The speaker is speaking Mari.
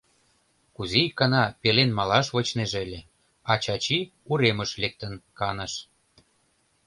Кузе икана пелен малаш вочнеже ыле, а Чачи уремыш лектын каныш.